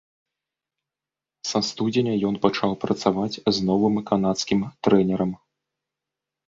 Са студзеня ён пачаў працаваць з новым канадскім трэнерам.